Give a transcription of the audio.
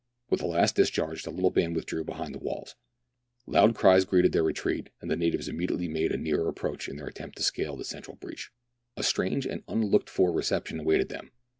With a last discharge the little band withdrew behind the walls. Loud cries greeted their retreat, and the natives immediately made a nearer approach in their attempt to scale the central breach. A strange and unlooked for reception awaited them.